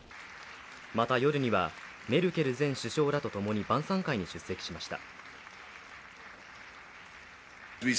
また、夜にはメルケル前首相らとともに晩さん会に出席しました。